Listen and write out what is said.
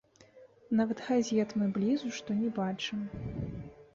Нават газет мы блізу што не бачым.